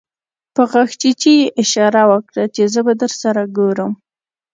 په غاښچيچي يې اشاره وکړه چې زه به درسره ګورم.